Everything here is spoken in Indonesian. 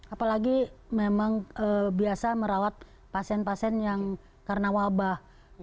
apalagi memang biasa merawat pasien pasien yang karena wabah